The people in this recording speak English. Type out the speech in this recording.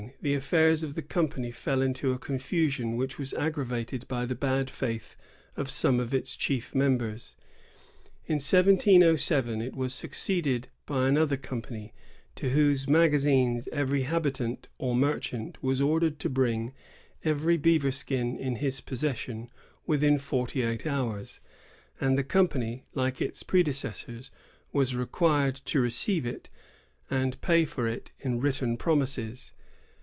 The affairs of the company fell into a confusion which was aggravated by the bad faith of some of its chief members. In 1707 it was succeeded by another company, to whose magazines every habitant or merchant was ordered to bring eveiy beaver skin in his possession within f orty eight hours; and the company, like its predecessors, was required to receive it, and pay for it in written promises.